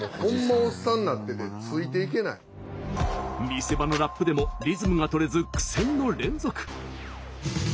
見せ場のラップでもリズムがとれず苦戦の連続。